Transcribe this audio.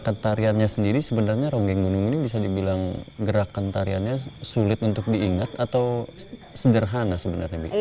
nah tariannya sendiri sebenarnya ronggeng gunung ini bisa dibilang gerakan tariannya sulit untuk diingat atau sederhana sebenarnya